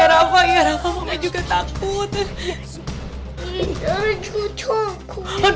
ya allah ya allah mami juga takut